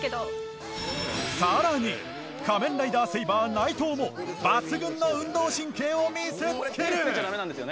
さらに仮面ライダーセイバー内藤も抜群の運動神経を見せつける！